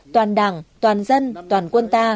toàn đảng toàn dân toàn quân ta